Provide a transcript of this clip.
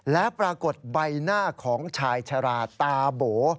และปรากฏใบหน้าของชายชะลาตาโบ